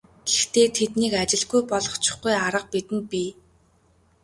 Гэхдээ тэднийг ажилгүй болгочихгүй арга бидэнд бий.